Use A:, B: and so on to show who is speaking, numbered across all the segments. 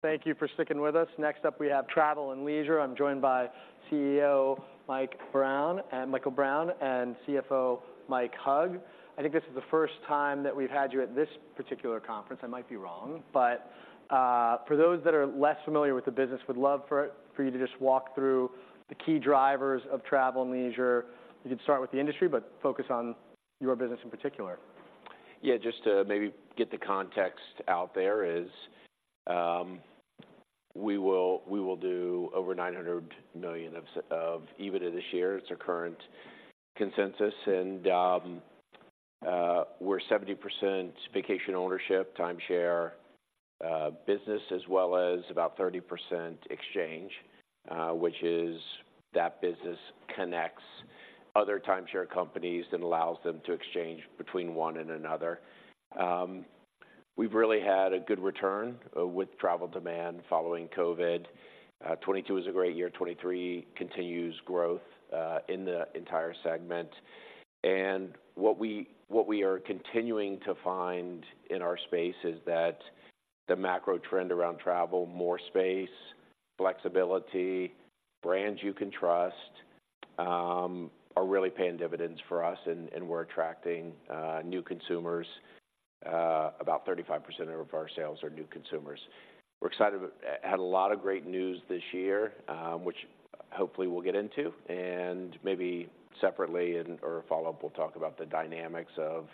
A: Thank you for sticking with us. Next up, we have Travel + Leisure. I'm joined by CEO Mike Brown, Michael Brown, and CFO Mike Hug. I think this is the first time that we've had you at this particular conference. I might be wrong, but for those that are less familiar with the business, would love for you to just walk through the key drivers of Travel + Leisure. You can start with the industry, but focus on your business in particular.
B: Yeah, just to maybe get the context out there is, we will, we will do over $900 million of EBITDA this year. It's our current consensus, and we're 70% vacation ownership, timeshare business, as well as about 30% exchange, which is that business connects other timeshare companies and allows them to exchange between one and another. We've really had a good return with travel demand following COVID. 2022 was a great year. 2023 continues growth in the entire segment. And what we, what we are continuing to find in our space is that the macro trend around travel, more space, flexibility, brands you can trust are really paying dividends for us, and we're attracting new consumers. About 35% of our sales are new consumers. We're excited. Had a lot of great news this year, which hopefully we'll get into, and maybe separately and or a follow-up, we'll talk about the dynamics of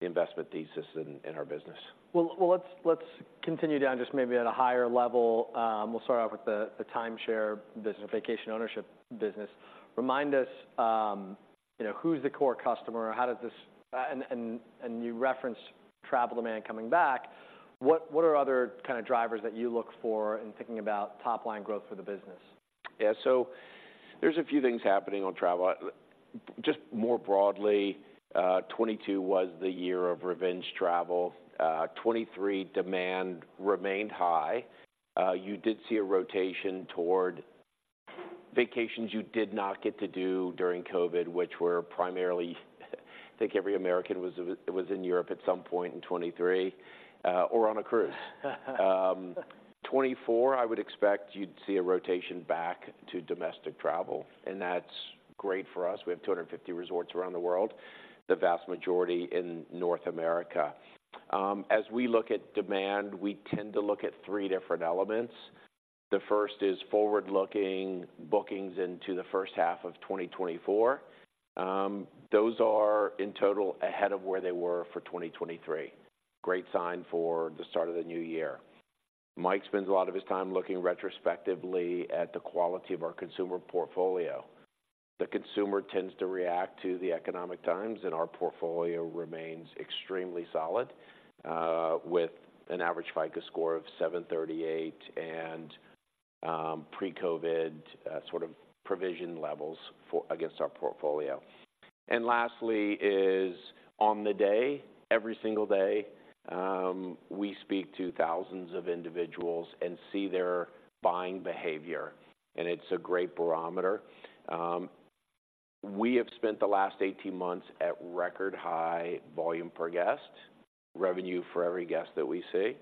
B: the investment thesis in our business.
A: Well, let's continue down, just maybe at a higher level. We'll start off with the timeshare business, vacation ownership business. Remind us, you know, who's the core customer? And you referenced travel demand coming back. What are other kind of drivers that you look for in thinking about top-line growth for the business?
B: Yeah. So there's a few things happening on travel. Just more broadly, 2022 was the year of revenge travel. 2023 demand remained high. You did see a rotation toward vacations you did not get to do during COVID, which were primarily I think every American was in Europe at some point in 2023, or on a cruise. 2024, I would expect you'd see a rotation back to domestic travel, and that's great for us. We have 250 resorts around the world, the vast majority in North America. As we look at demand, we tend to look at three different elements. The first is forward-looking bookings into the first half of 2024. Those are, in total, ahead of where they were for 2023. Great sign for the start of the new year. Mike spends a lot of his time looking retrospectively at the quality of our consumer portfolio. The consumer tends to react to the economic times, and our portfolio remains extremely solid, with an average FICO score of 738 and, pre-COVID, sort of provision levels for against our portfolio. And lastly is on the day, every single day, we speak to thousands of individuals and see their buying behavior, and it's a great barometer. We have spent the last 18 months at record-high volume per guest, revenue for every guest that we see.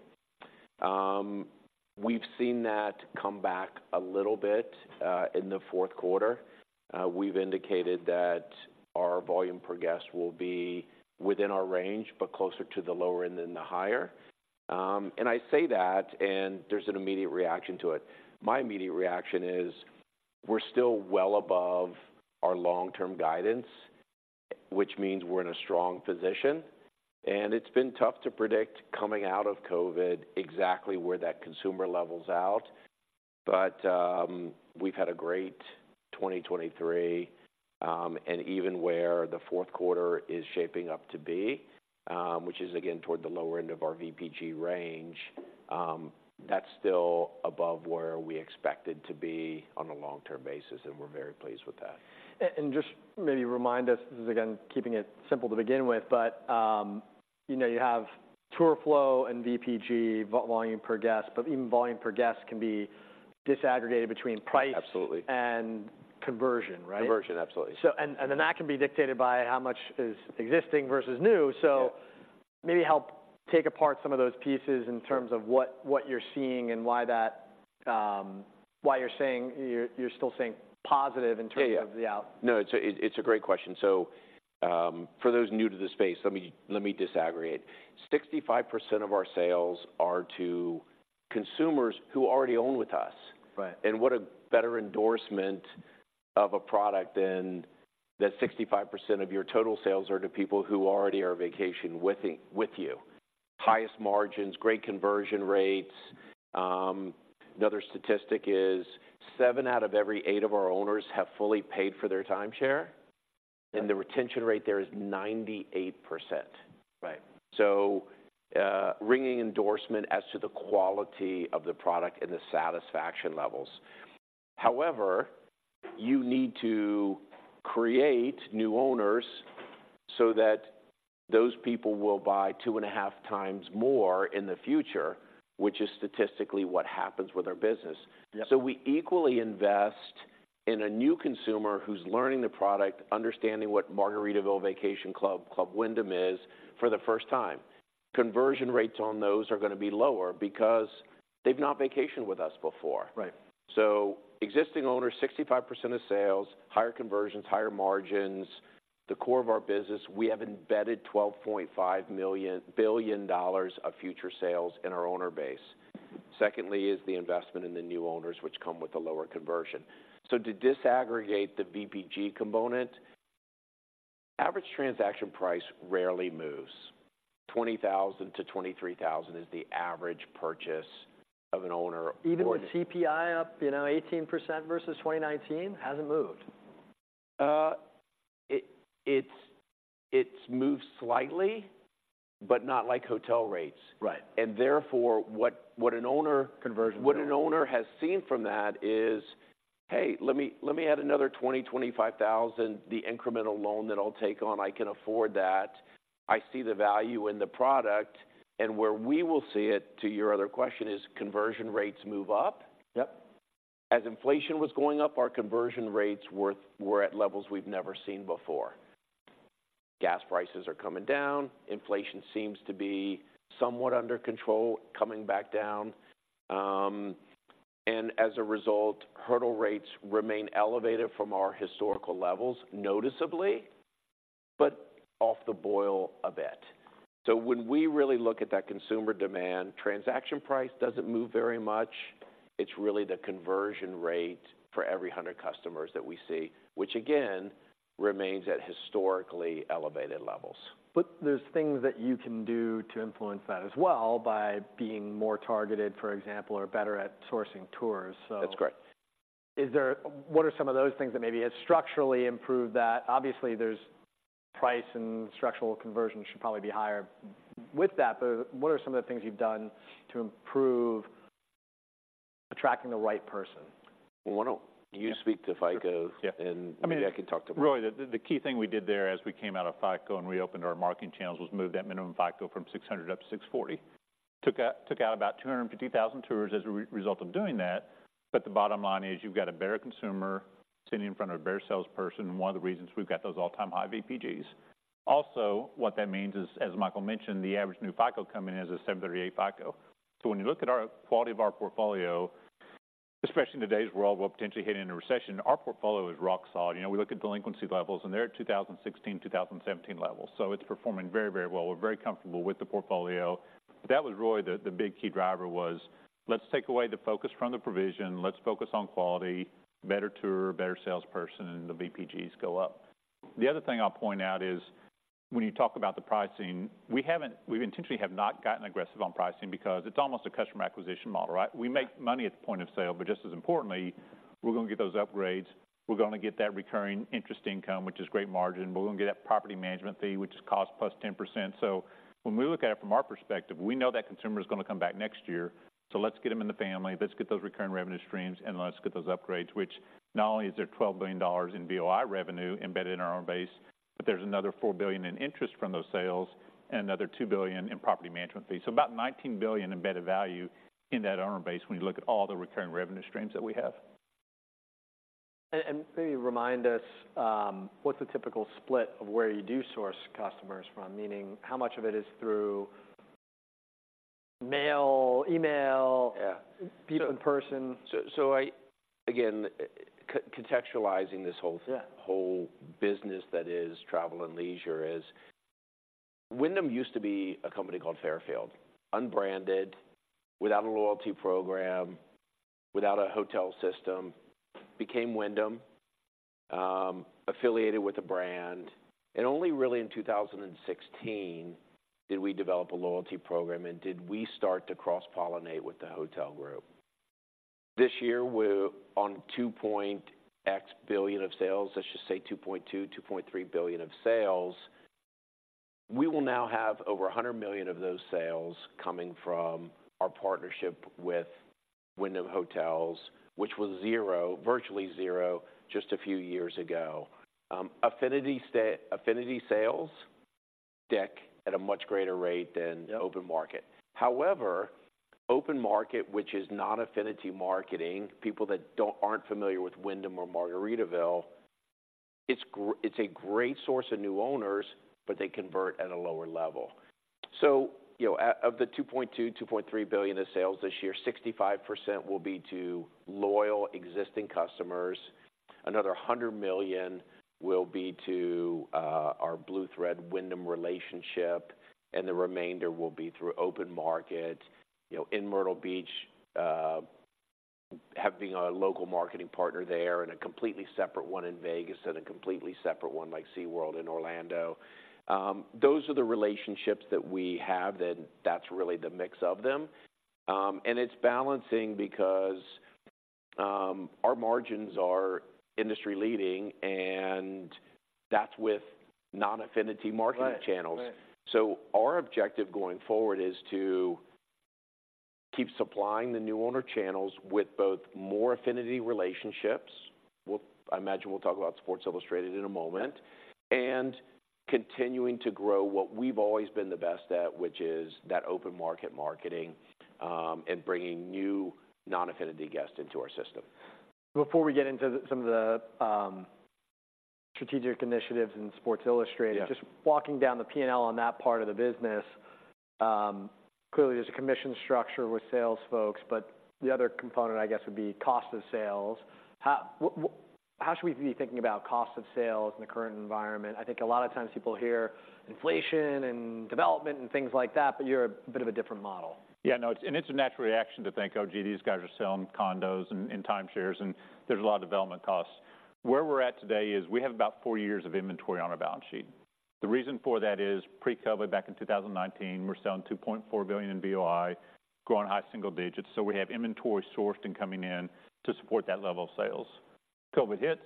B: We've seen that come back a little bit, in the fourth quarter. We've indicated that our volume per guest will be within our range, but closer to the lower end than the higher. And I say that, and there's an immediate reaction to it. My immediate reaction is: We're still well above our long-term guidance, which means we're in a strong position, and it's been tough to predict coming out of COVID exactly where that consumer level's out. But, we've had a great 2023, and even where the fourth quarter is shaping up to be, which is again, toward the lower end of our VPG range, that's still above where we expected to be on a long-term basis, and we're very pleased with that.
A: And just maybe remind us, this is, again, keeping it simple to begin with, but, you know, you have tour flow and VPG, volume per guest, but even volume per guest can be disaggregated between price-
B: Absolutely...
A: and conversion, right?
B: Conversion, absolutely.
A: And then that can be dictated by how much is existing versus new.
B: Yeah.
A: So maybe help take apart some of those pieces in terms of what you're seeing and why that. Why you're saying—you're still saying positive in terms-
B: Yeah, yeah...
A: of the out-
B: No, it's a, it's a great question. So, for those new to the space, let me, let me disaggregate. 65% of our sales are to consumers who already own with us.
A: Right.
B: What a better endorsement of a product than that 65% of your total sales are to people who already are vacationing with you, with you? Highest margins, great conversion rates. Another statistic is seven out of every eight of our owners have fully paid for their timeshare.
A: Right...
B: and the retention rate there is 98%.
A: Right。
B: Ringing endorsement as to the quality of the product and the satisfaction levels. However, you need to create new owners so that those people will buy 2.5 times more in the future, which is statistically what happens with our business.
A: Yep.
B: So we equally invest in a new consumer who's learning the product, understanding what Margaritaville Vacation Club, Club Wyndham is for the first time. Conversion rates on those are gonna be lower because they've not vacationed with us before.
A: Right.
B: So existing owners, 65% of sales, higher conversions, higher margins, the core of our business, we have embedded $12.5 billion of future sales in our owner base. Secondly, is the investment in the new owners, which come with a lower conversion. So to disaggregate the VPG component, average transaction price rarely moves. $20,000-$23,000 is the average purchase of an owner-
A: Even with CPI up, you know, 18% versus 2019, hasn't moved?
B: It's moved slightly, but not like hotel rates.
A: Right.
B: Therefore, what an owner-
A: Conversion.
B: What an owner has seen from that is, "Hey, let me, let me add another $20,000-$25,000, the incremental loan that I'll take on, I can afford that. I see the value in the product." And where we will see it, to your other question, is conversion rates move up.
A: Yep.
B: As inflation was going up, our conversion rates were at levels we've never seen before. Gas prices are coming down. Inflation seems to be somewhat under control, coming back down. And as a result, hurdle rates remain elevated from our historical levels, noticeably, but off the boil a bit. So when we really look at that consumer demand, transaction price doesn't move very much. It's really the conversion rate for every hundred customers that we see, which again, remains at historically elevated levels.
A: But there's things that you can do to influence that as well by being more targeted, for example, or better at sourcing tours, so-
B: That's correct.
A: Is there? What are some of those things that maybe have structurally improved that? Obviously, there's price and structural conversion should probably be higher with that, but what are some of the things you've done to improve attracting the right person?
B: Well, why don't you speak to FICO-
C: Yeah.
B: and maybe I can talk to-
C: Really, the key thing we did there as we came out of FICO and reopened our marketing channels was move that minimum FICO from 600 up to 640. Took out about 250,000 tours as a result of doing that, but the bottom line is, you've got a better consumer sitting in front of a better salesperson, and one of the reasons we've got those all-time high VPGs. Also, what that means is, as Michael mentioned, the average new FICO coming in is a 738 FICO. So when you look at our quality of our portfolio, especially in today's world, we're potentially heading into a recession, our portfolio is rock solid. You know, we look at delinquency levels, and they're at 2016, 2017 levels, so it's performing very, very well. We're very comfortable with the portfolio. But that was really the big key driver was: Let's take away the focus from the provision. Let's focus on quality, better tour, better salesperson, and the VPGs go up. The other thing I'll point out is, when you talk about the pricing, we haven't, we intentionally have not gotten aggressive on pricing because it's almost a customer acquisition model, right? We make money at the point of sale, but just as importantly, we're gonna get those upgrades. We're gonna get that recurring interest income, which is great margin. We're gonna get that property management fee, which is cost plus 10%. So when we look at it from our perspective, we know that consumer is gonna come back next year, so let's get them in the family. Let's get those recurring revenue streams, and let's get those upgrades, which not only is there $12 billion in VOI revenue embedded in our owner base, but there's another $4 billion in interest from those sales and another $2 billion in property management fees. So about $19 billion embedded value in that owner base when you look at all the recurring revenue streams that we have.
A: Maybe remind us, what's the typical split of where you do source customers from? Meaning, how much of it is through mail, email-
B: Yeah.
A: People in person.
B: So, again, contextualizing this whole-
A: Yeah...
B: whole business that is Travel + Leisure is, Wyndham used to be a company called Fairfield, unbranded, without a loyalty program, without a hotel system, became Wyndham, affiliated with a brand, and only really in 2016 did we develop a loyalty program and did we start to cross-pollinate with the hotel group. This year, we're on $2.x billion of sales, let's just say $2.2 billio-$2.3 billion of sales. We will now have over $100 million of those sales coming from our partnership with Wyndham Hotels, which was zero, virtually zero, just a few years ago. Affinity sales deck at a much greater rate than-
A: Yeah...
B: open market. However, open market, which is not affinity marketing, people that aren't familiar with Wyndham or Margaritaville, it's a great source of new owners, but they convert at a lower level. So, you know, of the $2.2 billion-$2.3 billion in sales this year, 65% will be to loyal existing customers. Another $100 million will be to our Blue Thread Wyndham relationship, and the remainder will be through open market. You know, in Myrtle Beach, having a local marketing partner there and a completely separate one in Vegas and a completely separate one like SeaWorld in Orlando, those are the relationships that we have, and that's really the mix of them. And it's balancing because our margins are industry-leading, and that's with non-affinity marketing channels.
A: Right. Right.
B: So our objective going forward is to keep supplying the new owner channels with both more affinity relationships, we'll I imagine we'll talk about Sports Illustrated in a moment, and continuing to grow what we've always been the best at, which is that open market marketing, and bringing new non-affinity guests into our system.
A: Before we get into some of the strategic initiatives in Sports Illustrated-
B: Yeah...
A: just walking down the P&L on that part of the business, clearly, there's a commission structure with sales folks, but the other component, I guess, would be cost of sales. How should we be thinking about cost of sales in the current environment? I think a lot of times people hear inflation and development and things like that, but you're a bit of a different model.
C: Yeah, no, it's and it's a natural reaction to think, "Oh, gee, these guys are selling condos and, and timeshares, and there's a lot of development costs." Where we're at today is we have about four years of inventory on our balance sheet. The reason for that is, pre-COVID, back in 2019, we were selling $2.4 billion in VOI, growing high single digits. So we have inventory sourced and coming in to support that level of sales. COVID hits,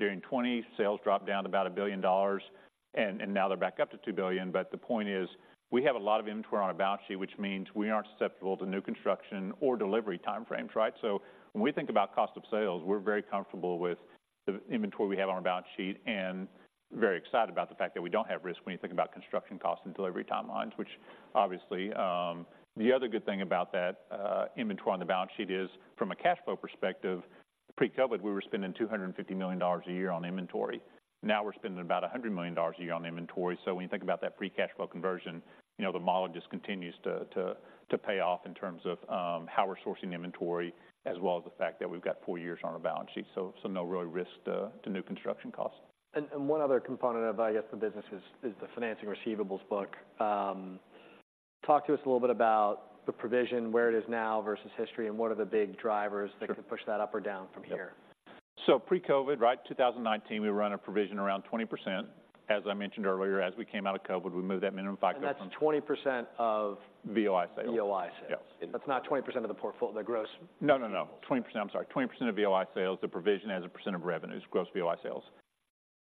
C: during 2020, sales dropped down to about $1 billion, and now they're back up to $2 billion. But the point is, we have a lot of inventory on our balance sheet, which means we aren't susceptible to new construction or delivery time frames, right? So when we think about cost of sales, we're very comfortable with the inventory we have on our balance sheet and very excited about the fact that we don't have risk when you think about construction costs and delivery timelines, which obviously. The other good thing about that inventory on the balance sheet is, from a cash flow perspective, pre-COVID, we were spending $250 million a year on inventory. Now we're spending about $100 million a year on inventory. So when you think about that free cash flow conversion, you know, the model just continues to pay off in terms of how we're sourcing inventory, as well as the fact that we've got four years on our balance sheet, so no real risk to new construction costs.
A: And one other component of, I guess, the business is the financing receivables book. Talk to us a little bit about the provision, where it is now versus history, and what are the big drivers-
C: Sure...
A: that can push that up or down from here?
C: So pre-COVID, right, 2019, we run a provision around 20%. As I mentioned earlier, as we came out of COVID, we moved that minimum FICO up-
A: And that's 20% of-
C: VOI sales...
A: VOI sales?
C: Yes.
A: That's not 20% of the portfolio, the gross.
C: No, no, no, 20%... I'm sorry, 20% of VOI sales, the provision as a percent of revenues, gross VOI sales.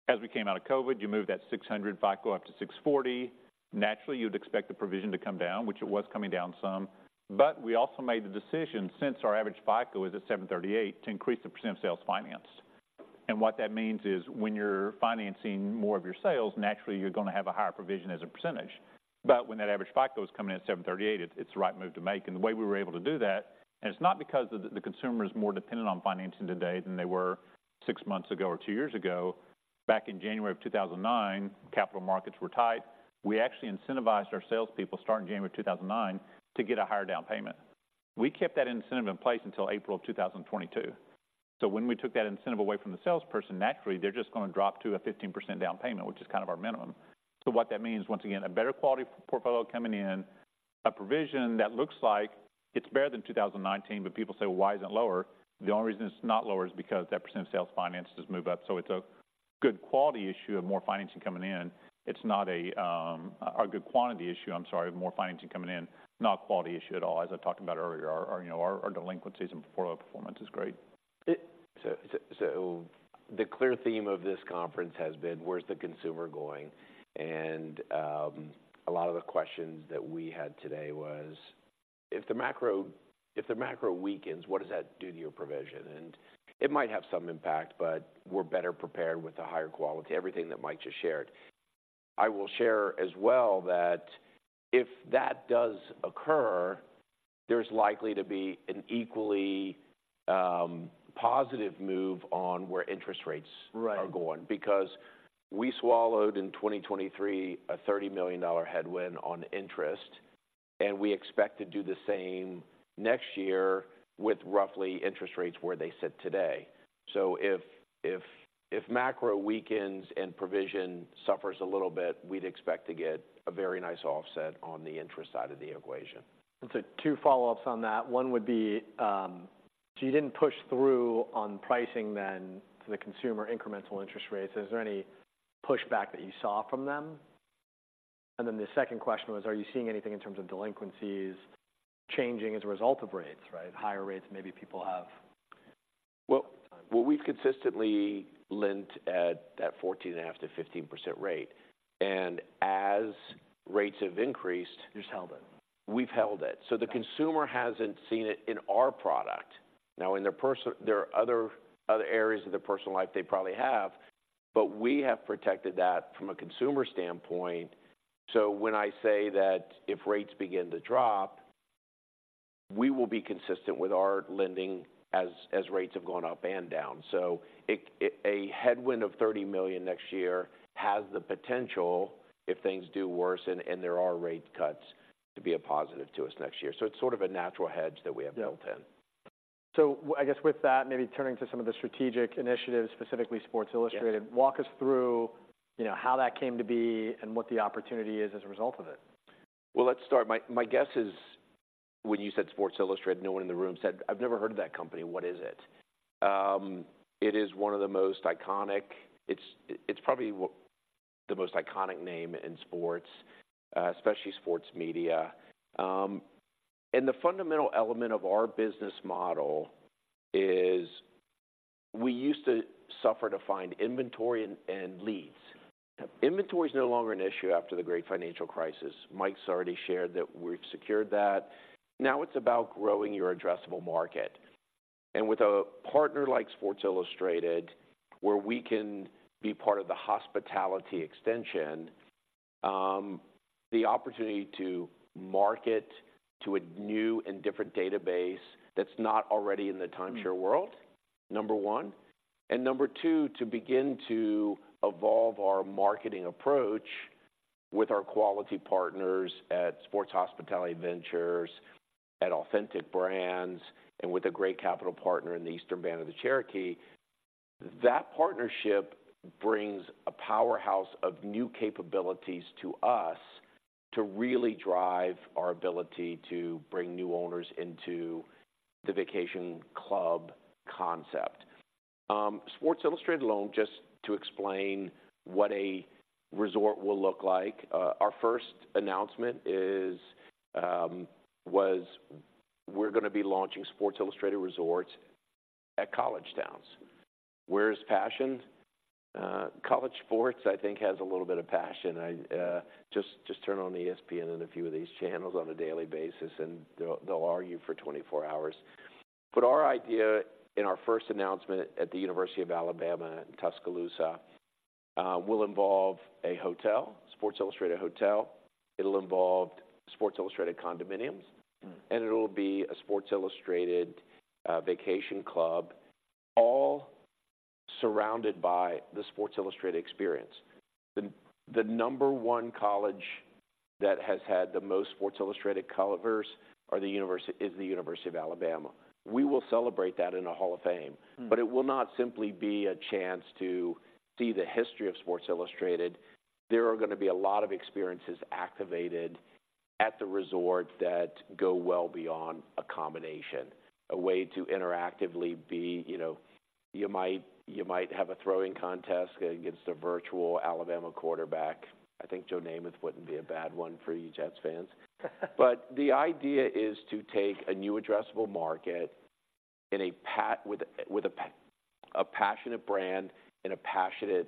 C: As we came out of COVID, you moved that 600 FICO up to 640. Naturally, you'd expect the provision to come down, which it was coming down some, but we also made the decision, since our average FICO is at 738, to increase the percent of sales financed. And what that means is, when you're financing more of your sales, naturally, you're gonna have a higher provision as a percentage. But when that average FICO is coming in at 738, it's the right move to make. And the way we were able to do that, and it's not because the consumer is more dependent on financing today than they were six months ago or two years ago. Back in January of 2009, capital markets were tight. We actually incentivized our salespeople, starting January 2009, to get a higher down payment. We kept that incentive in place until April of 2022. So when we took that incentive away from the salesperson, naturally, they're just gonna drop to a 15% down payment, which is kind of our minimum. So what that means, once again, a better quality portfolio coming in, a provision that looks like it's better than 2019, but people say, "Well, why is it lower?" The only reason it's not lower is because that percent of sales finances move up. So it's a good quality issue of more financing coming in. It's not a, a good quantity issue, I'm sorry, more financing coming in, not a quality issue at all. As I talked about earlier, you know, our delinquencies and portfolio performance is great.
B: So the clear theme of this conference has been: Where's the consumer going? And a lot of the questions that we had today was, if the macro weakens, what does that do to your provision? And it might have some impact, but we're better prepared with the higher quality, everything that Mike just shared. I will share as well that if that does occur, there's likely to be an equally positive move on where interest rates-
A: Right...
B: are going. Because we swallowed in 2023 a $30 million headwind on interest, and we expect to do the same next year with roughly interest rates where they sit today. So if macro weakens and provision suffers a little bit, we'd expect to get a very nice offset on the interest side of the equation.
A: So two follow-ups on that. One would be, so you didn't push through on pricing then to the consumer incremental interest rates. Is there any pushback that you saw from them? And then the second question was, are you seeing anything in terms of delinquencies changing as a result of rates, right? Higher rates, maybe people have-
B: Well, well, we've consistently lent at that 14.5%-15% rate, and as rates have increased-
A: You've held it.
B: We've held it.
A: Yeah.
B: So the consumer hasn't seen it in our product. Now, in their personal- there are other areas of their personal life they probably have, but we have protected that from a consumer standpoint. So when I say that if rates begin to drop, we will be consistent with our lending as rates have gone up and down. So it, a headwind of $30 million next year has the potential, if things do worse and there are rate cuts, to be a positive to us next year. So it's sort of a natural hedge that we have-
A: Yeah...
B: built in.
A: I guess with that, maybe turning to some of the strategic initiatives, specifically Sports Illustrated.
B: Yeah.
A: Walk us through, you know, how that came to be and what the opportunity is as a result of it.
B: Well, let's start. My, my guess is, when you said Sports Illustrated, no one in the room said, "I've never heard of that company. What is it?" It is one of the most iconic... It's, it's probably what the most iconic name in sports, especially sports media. And the fundamental element of our business model is we used to suffer to find inventory and, and leads.
A: Yeah.
B: Inventory is no longer an issue after the great financial crisis. Mike's already shared that we've secured that. Now it's about growing your addressable market, and with a partner like Sports Illustrated, where we can be part of the hospitality extension, the opportunity to market to a new and different database that's not already in the timeshare world, number one. And number two, to begin to evolve our marketing approach with our quality partners at Sports Hospitality Ventures, at Authentic Brands, and with a great capital partner in the Eastern Band of the Cherokee. That partnership brings a powerhouse of new capabilities to us, to really drive our ability to bring new owners into the vacation club concept. Sports Illustrated alone, just to explain what a resort will look like, our first announcement is, was we're gonna be launching Sports Illustrated Resorts at college towns. Where is passion? College sports, I think, has a little bit of passion. I just turn on ESPN and a few of these channels on a daily basis, and they'll argue for 24 hours. But our idea in our first announcement at the University of Alabama in Tuscaloosa will involve a hotel, Sports Illustrated Hotel; it'll involve Sports Illustrated condominiums-
A: Mm.
B: and it'll be a Sports Illustrated vacation club, all surrounded by the Sports Illustrated experience. The number one college that has had the most Sports Illustrated covers is the University of Alabama. We will celebrate that in a hall of fame.
A: Mm.
B: But it will not simply be a chance to see the history of Sports Illustrated. There are gonna be a lot of experiences activated at the resort that go well beyond accommodation. A way to interactively be... You know, you might, you might have a throwing contest against a virtual Alabama quarterback. I think Joe Namath wouldn't be a bad one for you Jets fans. But the idea is to take a new addressable market and a passionate brand and a passionate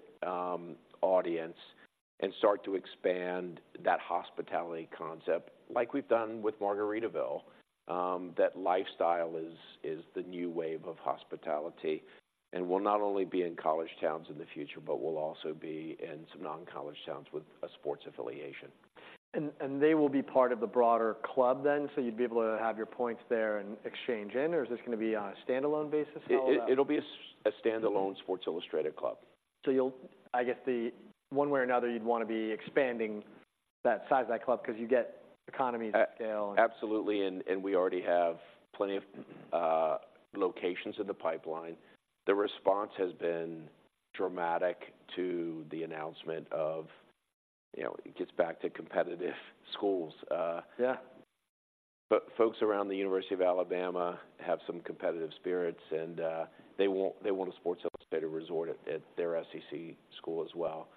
B: audience, and start to expand that hospitality concept like we've done with Margaritaville. That lifestyle is the new wave of hospitality, and we'll not only be in college towns in the future, but we'll also be in some non-college towns with a sports affiliation.
A: And they will be part of the broader club then, so you'd be able to have your points there and exchange in? Or is this gonna be on a standalone basis? How would that-
B: It'll be a standalone Sports Illustrated club.
A: One way or another, you'd wanna be expanding that size of that club, 'cause you get economies of scale, and-
B: Absolutely, and, and we already have plenty of locations in the pipeline. The response has been dramatic to the announcement of... You know, it gets back to competitive schools,
A: Yeah.
B: But folks around the University of Alabama have some competitive spirits, and they want a Sports Illustrated resort at their SEC school as well.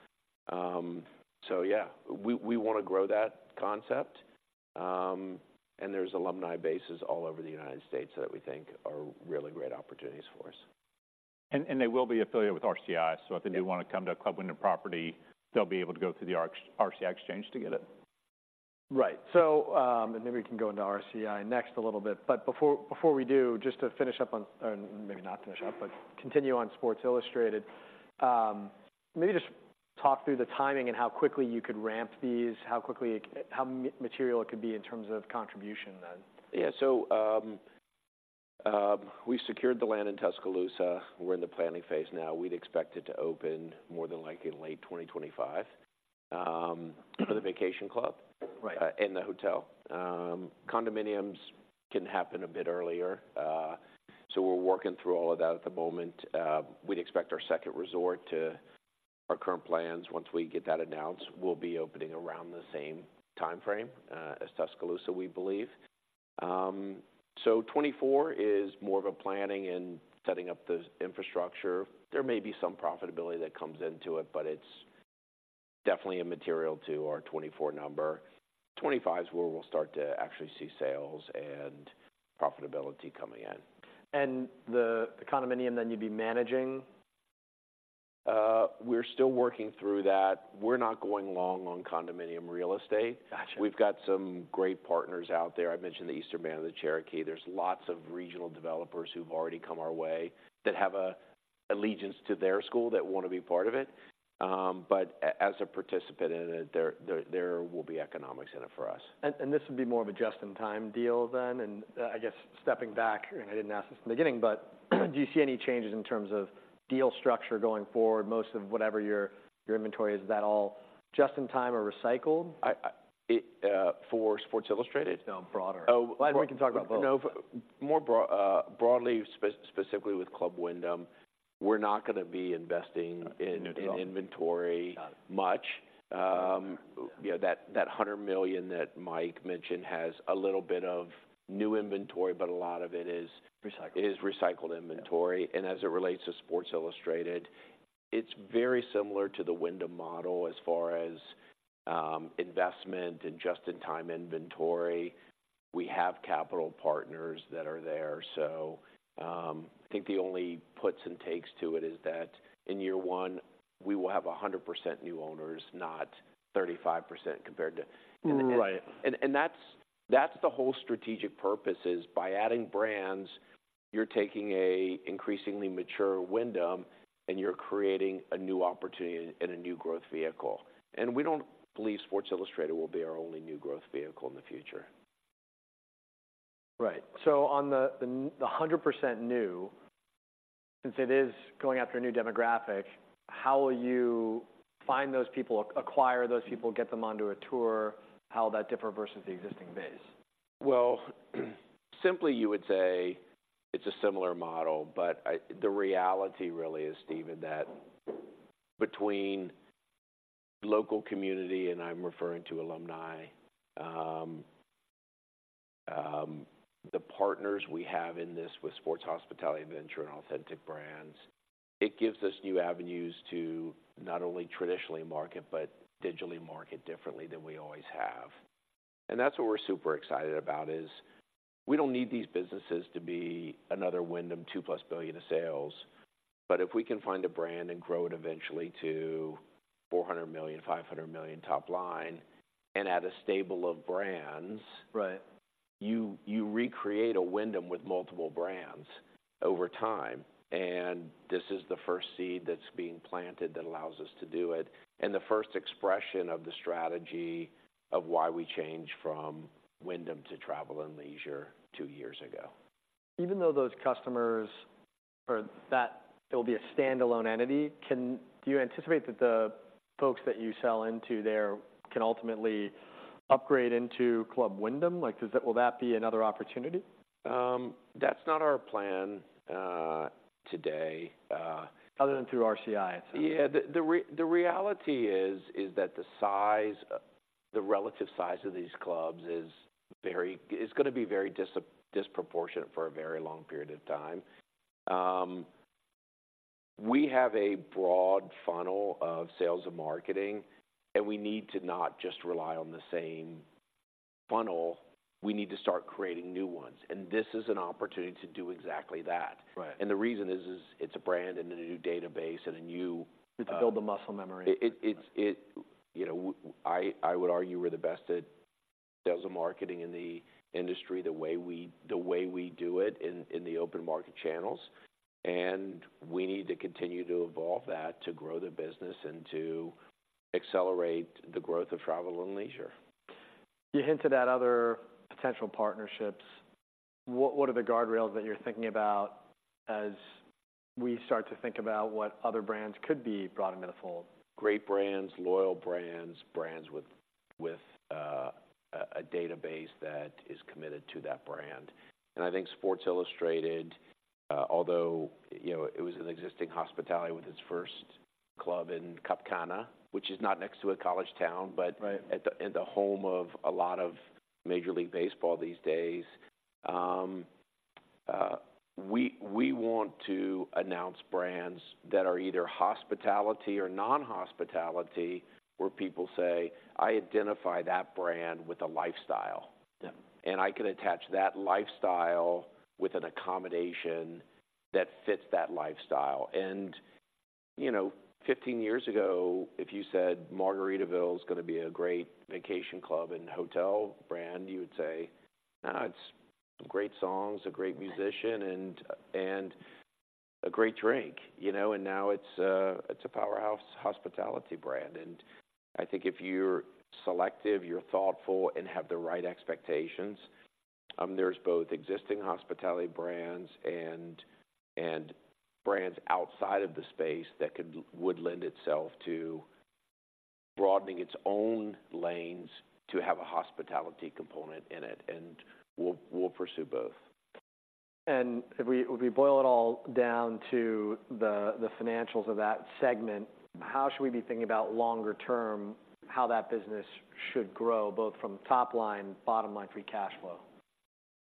B: So yeah, we wanna grow that concept. And there's alumni bases all over the United States that we think are really great opportunities for us.
C: And they will be affiliated with RCI.
B: Yeah.
C: If they do wanna come to a Club Wyndham property, they'll be able to go through the RCI exchange to get it?
A: Right. So, and then we can go into RCI next a little bit, but before we do, just to finish up on, or maybe not finish up, but continue on Sports Illustrated. Maybe just talk through the timing and how quickly you could ramp these, how material it could be in terms of contribution, then.
B: Yeah. We've secured the land in Tuscaloosa. We're in the planning phase now. We'd expect it to open more than likely in late 2025, for the vacation club-
A: Right...
B: and the hotel. Condominiums can happen a bit earlier, so we're working through all of that at the moment. We'd expect our second resort to our current plans, once we get that announced, will be opening around the same timeframe as Tuscaloosa, we believe. So 2024 is more of a planning and setting up the infrastructure. There may be some profitability that comes into it, but it's definitely immaterial to our 2024 number. 2025 is where we'll start to actually see sales and profitability coming in.
A: The condominium, then, you'd be managing?
B: We're still working through that. We're not going long on condominium real estate.
A: Gotcha.
B: We've got some great partners out there. I mentioned the Eastern Band of Cherokee Indians. There's lots of regional developers who've already come our way that have an allegiance to their school, that wanna be part of it. But as a participant in it, there will be economics in it for us.
A: And this would be more of a just-in-time deal then? And I guess, stepping back, and I didn't ask this in the beginning, but do you see any changes in terms of deal structure going forward? Most of whatever your inventory is, is that all just-in-time or recycled?
B: For Sports Illustrated?
A: No, broader.
B: Oh, w-
A: We can talk about both.
B: No, but more broadly, specifically with Club Wyndham, we're not gonna be investing in-
A: At all...
B: in inventory-
A: Got it...
B: much. Yeah, that, that $100 million that Mike mentioned has a little bit of new inventory, but a lot of it is-
A: Recycled...
B: is recycled inventory.
A: Yeah.
B: As it relates to Sports Illustrated, it's very similar to the Wyndham model as far as investment and just-in-time inventory. We have capital partners that are there, so I think the only puts and takes to it is that in year one, we will have 100% new owners, not 35% compared to-
A: Right.
B: That's the whole strategic purpose, is by adding brands, you're taking a increasingly mature Wyndham, and you're creating a new opportunity and a new growth vehicle. And we don't believe Sports Illustrated will be our only new growth vehicle in the future.
A: Right. So on the 100% new, since it is going after a new demographic, how will you find those people, acquire those people, get them onto a tour? How will that differ versus the existing base?
B: Well, simply you would say it's a similar model, but the reality really is, Steven, that between local community, and I'm referring to alumni, the partners we have in this with Sports Hospitality Ventures and Authentic Brands, it gives us new avenues to not only traditionally market, but digitally market differently than we always have. And that's what we're super excited about, is we don't need these businesses to be another Wyndham $2+ billion of sales. But if we can find a brand and grow it eventually to $400 million, $500 million top line, and add a stable of brands-
A: Right...
B: you recreate a Wyndham with multiple brands over time, and this is the first seed that's being planted that allows us to do it, and the first expression of the strategy of why we changed from Wyndham to Travel + Leisure two years ago.
A: Even though those customers, or that it'll be a standalone entity, do you anticipate that the folks that you sell into there can ultimately upgrade into Club Wyndham? Like, will that be another opportunity?
B: That's not our plan today.
A: Other than through RCI, I'd say.
B: Yeah. The reality is that the size, the relative size of these clubs is very disproportionate for a very long period of time. We have a broad funnel of sales and marketing, and we need to not just rely on the same funnel. We need to start creating new ones, and this is an opportunity to do exactly that.
A: Right.
B: The reason is, it's a brand and a new database, and a new
A: You have to build the muscle memory.
B: You know, I would argue we're the best at sales and marketing in the industry, the way we do it in the open market channels. And we need to continue to evolve that, to grow the business, and to accelerate the growth of Travel + Leisure.
A: You hinted at other potential partnerships. What are the guardrails that you're thinking about as we start to think about what other brands could be brought into the fold?
B: Great brands, loyal brands, brands with a database that is committed to that brand. And I think Sports Illustrated, although, you know, it was an existing hospitality with its first club in Cap Cana, which is not next to a college town, but-
A: Right...
B: at the, in the home of a lot of Major League Baseball these days. We want to announce brands that are either hospitality or non-hospitality, where people say, "I identify that brand with a lifestyle.
A: Yeah.
B: And I can attach that lifestyle with an accommodation that fits that lifestyle." And, you know, 15 years ago, if you said Margaritaville is gonna be a great vacation club and hotel brand, you would say, "Ah, it's great songs, a great musician, and, and a great drink." You know? And now it's a powerhouse hospitality brand. And I think if you're selective, you're thoughtful, and have the right expectations, there's both existing hospitality brands and, and brands outside of the space that would lend itself to broadening its own lanes to have a hospitality component in it, and we'll pursue both.
A: If we boil it all down to the financials of that segment, how should we be thinking about longer term how that business should grow, both from top line, bottom line, free cash flow?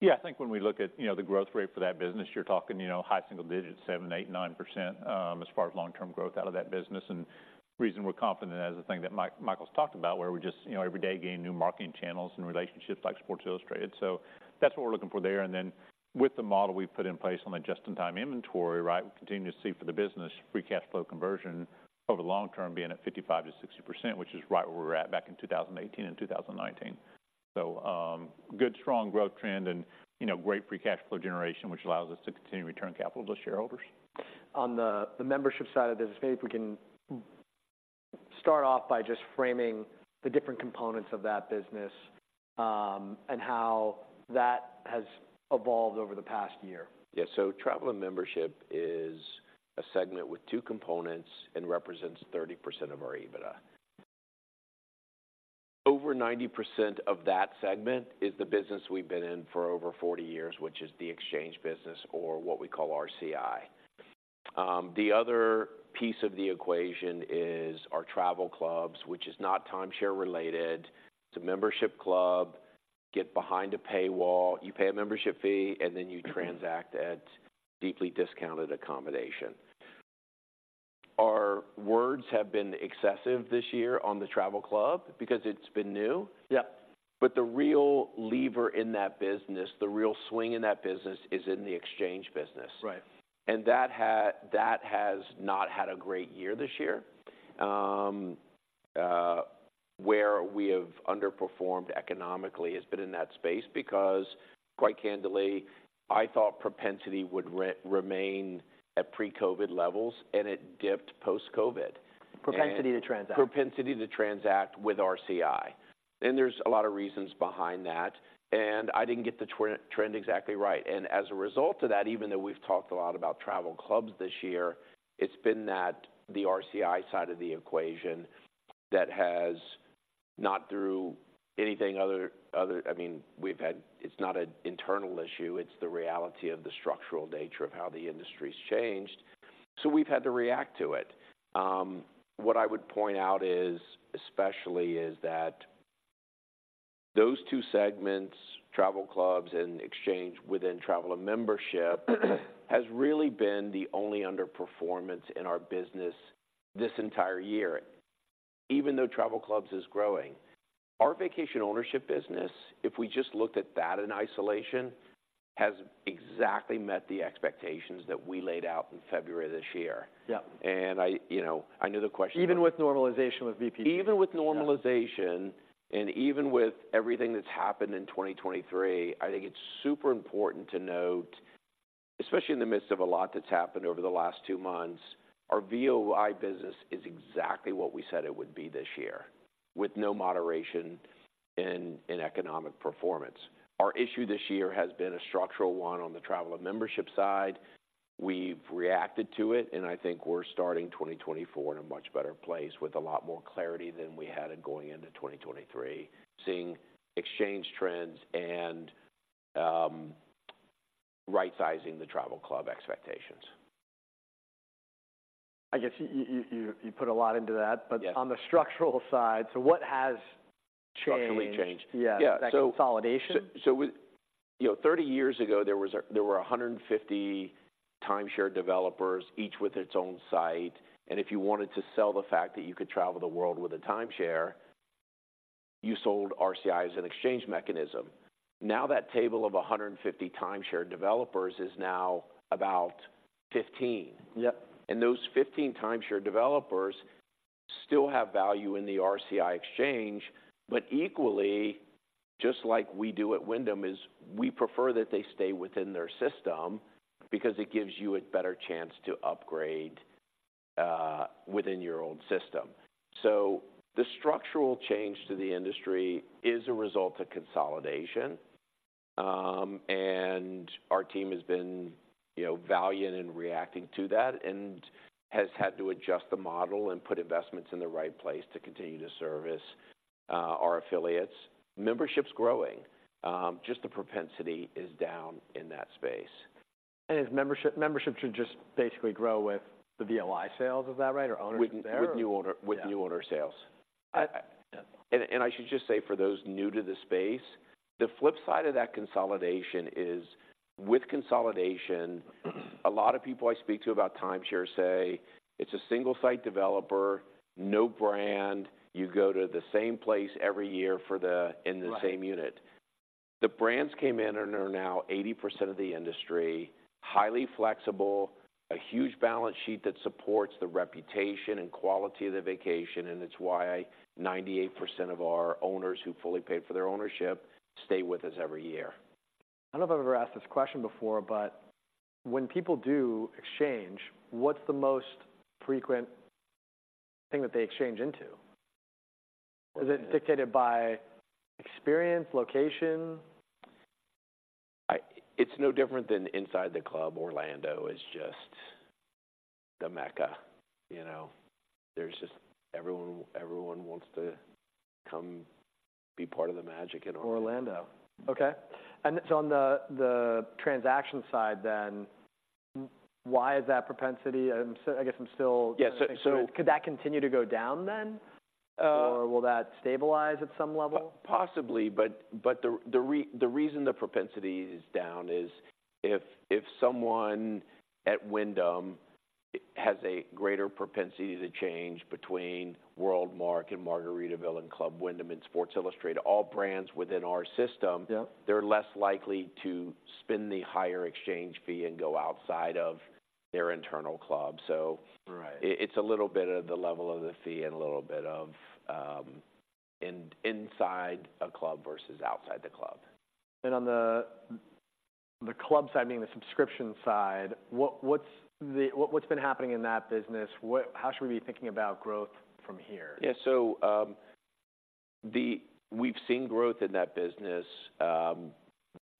C: Yeah, I think when we look at, you know, the growth rate for that business, you're talking, you know, high single digits, 7, 8, 9%, as far as long-term growth out of that business. And the reason we're confident is the thing that Michael's talked about, where we just, you know, every day gain new marketing channels and relationships like Sports Illustrated. So that's what we're looking for there, and then with the model we've put in place on the just-in-time inventory, right? We continue to see for the business, free cash flow conversion over the long term being at 55%-60%, which is right where we were at back in 2018 and 2019. So, good, strong growth trend and, you know, great free cash flow generation, which allows us to continue to return capital to shareholders.
A: On the membership side of the business, maybe we can start off by just framing the different components of that business, and how that has evolved over the past year.
B: Yeah. Travel and Membership is a segment with two components and represents 30% of our EBITDA. Over 90% of that segment is the business we've been in for over 40 years, which is the exchange business, or what we call RCI. The other piece of the equation is our travel clubs, which is not timeshare related. It's a membership club. Get behind a paywall, you pay a membership fee, and then you transact at deeply discounted accommodation. Our words have been excessive this year on the travel club because it's been new.
A: Yeah.
B: But the real lever in that business, the real swing in that business, is in the exchange business.
A: Right.
B: That has not had a great year this year, where we have underperformed economically has been in that space, because quite candidly, I thought propensity would remain at pre-COVID levels, and it dipped post-COVID.
A: Propensity to transact?
B: Propensity to transact with RCI. There's a lot of reasons behind that, and I didn't get the trend exactly right. As a result of that, even though we've talked a lot about travel clubs this year, it's been that the RCI side of the equation that has, not through anything other, I mean, we've had— It's not an internal issue, it's the reality of the structural nature of how the industry's changed, so we've had to react to it. What I would point out is, especially, is that those two segments, travel clubs and exchange within travel and membership, has really been the only underperformance in our business this entire year, even though travel clubs is growing. Our vacation ownership business, if we just looked at that in isolation, has exactly met the expectations that we laid out in February of this year.
A: Yeah.
B: I, you know, I knew the question-
A: Even with normalization with VOI?
B: Even with normalization-
A: Yeah...
B: and even with everything that's happened in 2023, I think it's super important to note, especially in the midst of a lot that's happened over the last two months, our VOI business is exactly what we said it would be this year, with no moderation in economic performance. Our issue this year has been a structural one on the travel and membership side. We've reacted to it, and I think we're starting 2024 in a much better place, with a lot more clarity than we had in going into 2023, seeing exchange trends and right-sizing the travel club expectations.
A: I guess you put a lot into that.
B: Yeah.
A: On the structural side, so what has changed?
B: Structurally changed.
A: Yeah.
B: Yeah.
A: Is that consolidation?
B: You know, 30 years ago, there were 150 timeshare developers, each with its own site, and if you wanted to sell the fact that you could travel the world with a timeshare, you sold RCI as an exchange mechanism. Now, that table of 150 timeshare developers is now about 15.
A: Yep.
B: Those 15 timeshare developers still have value in the RCI exchange, but equally, just like we do at Wyndham, is we prefer that they stay within their system because it gives you a better chance to upgrade within your own system. So the structural change to the industry is a result of consolidation, and our team has been, you know, valiant in reacting to that and has had to adjust the model and put investments in the right place to continue to service our affiliates. Membership's growing, just the propensity is down in that space.
A: Membership should just basically grow with the VOI sales, is that right? Or ownership there, or-
B: With new owner sales.
A: Yeah.
B: And I should just say, for those new to the space, the flip side of that consolidation is, with consolidation, a lot of people I speak to about timeshares say it's a single site developer, no brand. You go to the same place every year for the-
A: Right...
B: in the same unit. The brands came in and are now 80% of the industry, highly flexible, a huge balance sheet that supports the reputation and quality of the vacation, and it's why 98% of our owners who fully paid for their ownership stay with us every year.
A: I don't know if I've ever asked this question before, but when people do exchange, what's the most frequent thing that they exchange into? Is it dictated by experience, location?
B: It's no different than inside the club. Orlando is just the mecca, you know. There's just... Everyone, everyone wants to come be part of the magic in Orlando.
A: Orlando. Okay. And so on the transaction side then, why is that propensity? So I guess I'm still-
B: Yeah, so,
A: Could that continue to go down then?
B: Uh-
A: Or will that stabilize at some level?
B: Possibly, but the reason the propensity is down is, if someone at Wyndham has a greater propensity to change between WorldMark and Margaritaville and Club Wyndham and Sports Illustrated, all brands within our system-
A: Yep...
B: they're less likely to spend the higher exchange fee and go outside of their internal club, so-
A: Right...
B: it's a little bit of the level of the fee and a little bit of, inside a club versus outside the club.
A: On the club side, meaning the subscription side, what's been happening in that business? How should we be thinking about growth from here?
B: Yeah, so, we've seen growth in that business.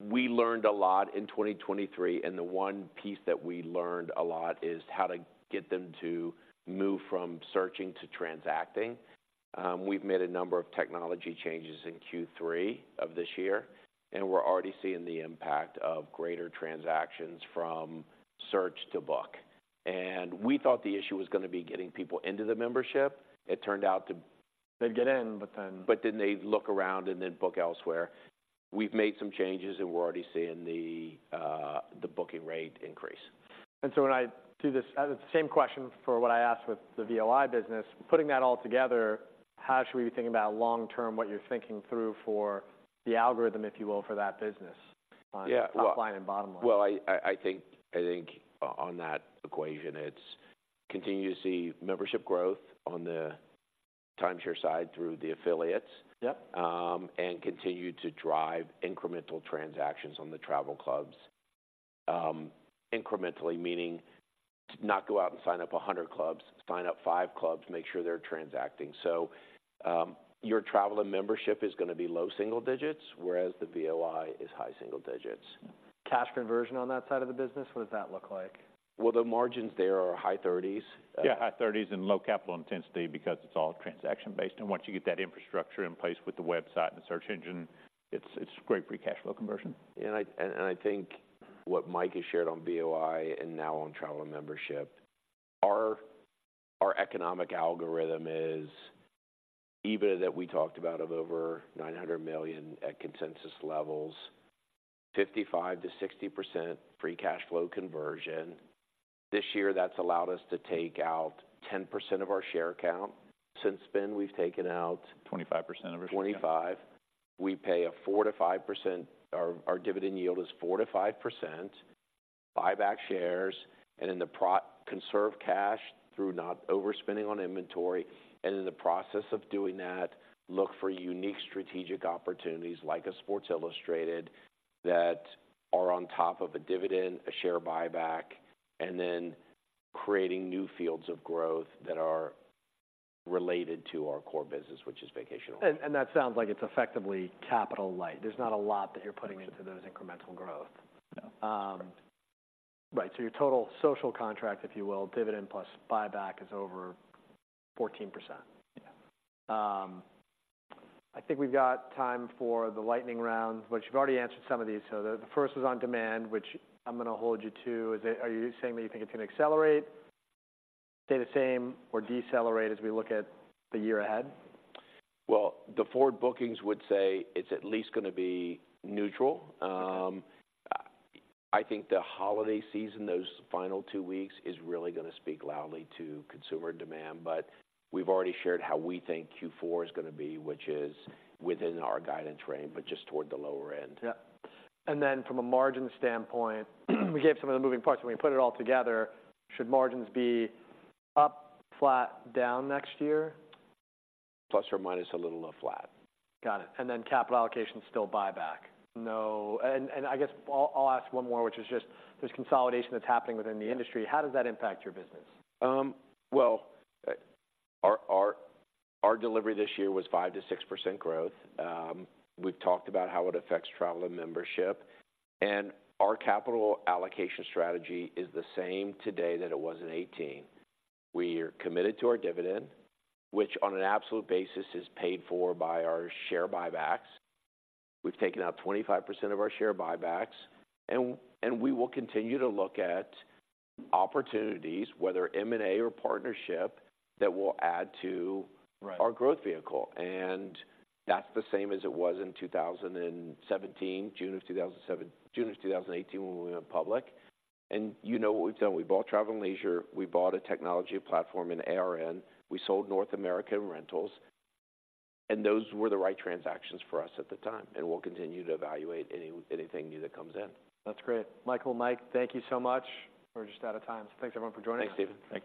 B: We learned a lot in 2023, and the one piece that we learned a lot is how to get them to move from searching to transacting. We've made a number of technology changes in Q3 of this year, and we're already seeing the impact of greater transactions from search to book. And we thought the issue was gonna be getting people into the membership. It turned out to-
A: They get in, but then-
B: But then they look around and then book elsewhere. We've made some changes, and we're already seeing the booking rate increase.
A: And so when I do this, the same question for what I asked with the VOI business. Putting that all together, how should we be thinking about long-term, what you're thinking through for the algorithm, if you will, for that business?...
B: Yeah, well-
A: Top line and bottom line.
B: Well, I think on that equation, it's continue to see membership growth on the timeshare side through the affiliates.
A: Yep.
B: Continue to drive incremental transactions on the travel clubs. Incrementally meaning not go out and sign up 100 clubs, sign up five clubs, make sure they're transacting. So, your Travel and Membership is gonna be low single digits, whereas the VOI is high single digits.
A: Cash conversion on that side of the business, what does that look like?
B: Well, the margins there are high 30s.
C: Yeah, high thirties and low capital intensity because it's all transaction based, and once you get that infrastructure in place with the website and the search engine, it's great free cash flow conversion.
B: I think what Mike has shared on VOI and now on travel and membership, our economic algorithm is EBITDA that we talked about of over $900 million at consensus levels, 55%-60% free cash flow conversion. This year, that's allowed us to take out 10% of our share count. Since then, we've taken out-
C: 25% of our share.
B: 25. We pay a 4%-5%... Our, our dividend yield is 4%-5%, buy back shares, and in the pro--conserve cash through not overspending on inventory, and in the process of doing that, look for unique strategic opportunities like a Sports Illustrated, that are on top of a dividend, a share buyback, and then creating new fields of growth that are related to our core business, which is vacation ownership.
A: That sounds like it's effectively capital light. There's not a lot that you're putting into those incremental growth.
C: No.
A: Right, so your total social contract, if you will, dividend plus buyback, is over 14%?
B: Yeah.
A: I think we've got time for the lightning round, which you've already answered some of these. So the first was on demand, which I'm gonna hold you to. Is it, are you saying that you think it's gonna accelerate, stay the same, or decelerate as we look at the year ahead?
B: Well, the forward bookings would say it's at least gonna be neutral. I think the holiday season, those final two weeks, is really gonna speak loudly to consumer demand. But we've already shared how we think Q4 is gonna be, which is within our guidance range, but just toward the lower end.
A: Yeah. And then from a margin standpoint, we gave some of the moving parts. When we put it all together, should margins be up, flat, down next year?
B: Plus or minus a little of flat.
A: Got it, and then capital allocation, still buyback? No. And I guess I'll ask one more, which is just, there's consolidation that's happening within the industry. How does that impact your business?
B: Well, our delivery this year was 5%-6% growth. We've talked about how it affects travel and membership, and our capital allocation strategy is the same today that it was in 2018. We are committed to our dividend, which on an absolute basis, is paid for by our share buybacks. We've taken out 25% of our share buybacks, and we will continue to look at opportunities, whether M&A or partnership, that will add to-
A: Right...
B: our growth vehicle, and that's the same as it was in 2017, June of 2007—June of 2018, when we went public. And you know what we've done? We bought Travel + Leisure, we bought a technology platform in ARN, we sold North American Rentals, and those were the right transactions for us at the time, and we'll continue to evaluate anything new that comes in.
A: That's great. Michael, Mike, thank you so much. We're just out of time, so thanks, everyone, for joining us.
B: Thanks, David.
C: Thank you.